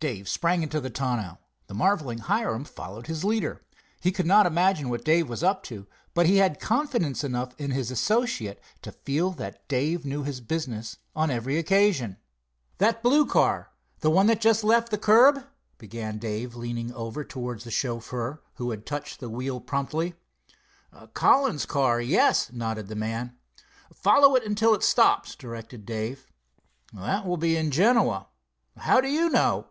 Dave sprang into the tonneau. The marvelling Hiram followed his leader. He could not imagine what Dave was up to, but he had confidence enough in his associate to feel that Dave knew his business on every occasion. "That blue car, the one that just left the curb," began Dave, leaning over towards the chauffeur, who had touched the wheel promptly. "Collins' car, yes," nodded the man. "Follow it till it stops," directed Dave. "That will be at Genoa." "How do you know?"